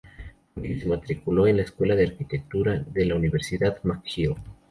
Por ello se matriculó en la Escuela de Arquitectura de la Universidad McGill.